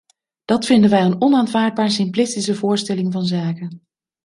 Dat vinden wij een onaanvaardbaar simplistische voorstelling van zaken.